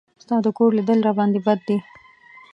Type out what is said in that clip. ستا د کور لیدل راباندې بد دي.